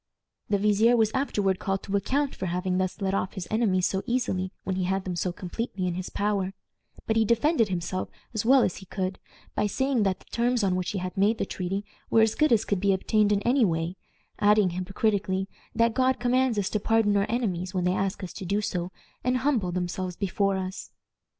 The vizier was afterward called to account for having thus let off his enemies so easily when he had them so completely in his power; but he defended himself as well as he could by saying that the terms on which he had made the treaty were as good as could be obtained in any way, adding, hypocritically, that "God commands us to pardon our enemies when they ask us to do so, and humble themselves before us."